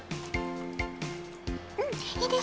うんいいですよ。